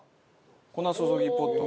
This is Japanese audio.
粉注ぎポット。